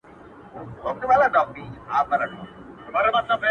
خدايه زما پر ځای ودې وطن ته بل پيدا که;